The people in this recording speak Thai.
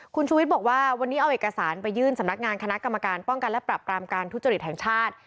คุณชูวิทย์บอกว่าวันนี้เอาเอกสารไปยื่นสำนักงานคณะกรรมการป้องกันและปรับปรามการทุจริตแห่งชาติ